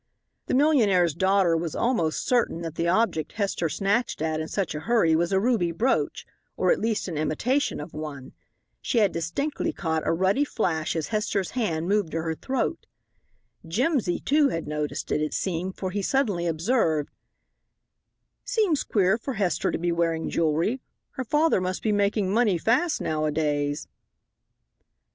The millionaire's daughter was almost certain that the object Hester snatched at in such a hurry was a ruby brooch, or at least an imitation of one. She had distinctly caught a ruddy flash as Hester's hand moved to her throat. Jimsy, too, had noticed it, it seemed, for he suddenly observed: "Seems queer for Hester to be wearing jewelry. Her father must be making money fast nowadays."